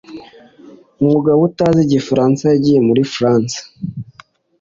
umugabo utazi igifaransa yagiye muri france,